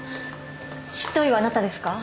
執刀医はあなたですか？